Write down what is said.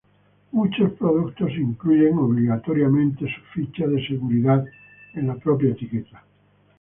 Muchos productos incluyen obligatoriamente su ficha de seguridad en la propia etiqueta.